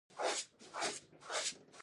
د تربوز لپاره کومه ځمکه ښه ده؟